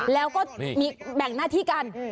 แล้วก็มีแบ่งหน้าที่กัน